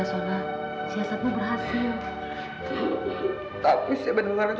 aku tak ingin anak anakku seperti itu